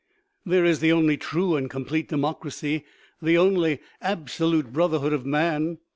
There is the only true and complete democracy, the only absolute brotherhood of man.